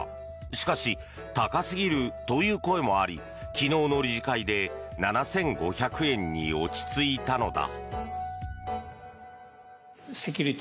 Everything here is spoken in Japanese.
しかし、高すぎるという声もあり昨日の理事会で７５００円に落ち着いたのだ。